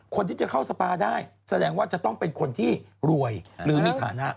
คนที่จะเข้าสปาได้แสดงว่าจะต้องเป็นคนที่รวยหรือมีฐานะ